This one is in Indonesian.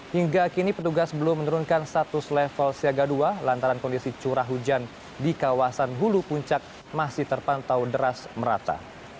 hingga kini petugas belum menurunkan status level siaga dua lantaran kondisi curah hujan di kawasan hulu puncak masih terpantau deras merata